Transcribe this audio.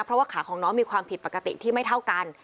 เพราะว่าขาของน้องมีความผิดปกติที่ไม่เท่ากัน